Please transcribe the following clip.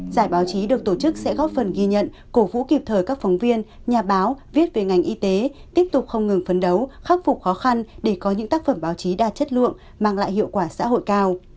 giải báo chí được tổ chức sẽ góp phần ghi nhận cổ vũ kịp thời các phóng viên nhà báo viết về ngành y tế tiếp tục không ngừng phấn đấu khắc phục khó khăn để có những tác phẩm báo chí đa chất lượng mang lại hiệu quả xã hội cao